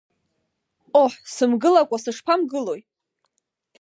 Ҟоҳ, сымгылакәа, сышԥамгылои!